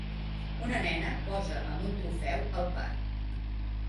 Una nena posa amb un trofeu al parc.